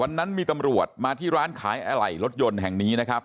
นั้นมีตำรวจมาที่ร้านขายอะไหล่รถยนต์แห่งนี้นะครับ